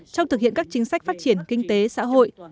trong thực hiện các chính sách phát triển kinh tế xã hội